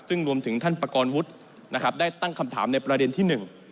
ซึ่งรวมถึงท่านประกอบวุฒินะครับได้ตั้งคำถามในประเด็นที่หนึ่ง